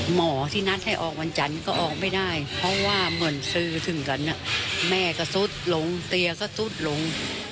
หมอที่นัดให้ออกวันจันทร์ก็ออกไม่ได้เพราะว่าเหมือนสื่อถึงกันแม่ก็ซุดลงเตียงก็ซุดลง